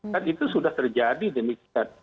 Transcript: kan itu sudah terjadi demikian